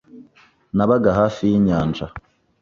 Nabaga hafi y'inyanja.